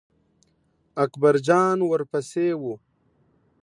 اکبر جان ور پسې و.